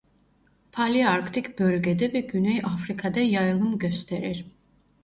Palearktik bölgede ve Güney Afrika'da yayılım gösterir.